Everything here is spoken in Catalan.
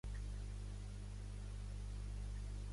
Va ser capità per diversos senyors.